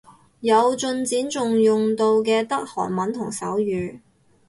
有進展仲用到嘅得韓文同手語